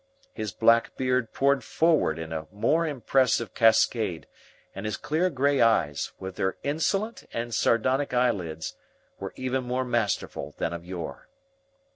His black beard poured forward in a more impressive cascade, and his clear grey eyes, with their insolent and sardonic eyelids, were even more masterful than of yore.